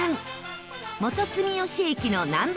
元住吉駅のＮｏ．